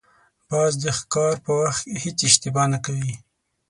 باز د ښکار په وخت هېڅ اشتباه نه کوي